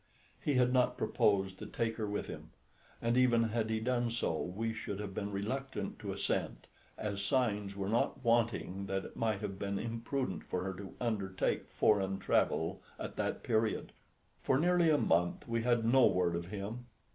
He had not proposed to take her with him, and even had he done so, we should have been reluctant to assent, as signs were not wanting that it might have been imprudent for her to undertake foreign travel at that period. For nearly a month we had no word of him.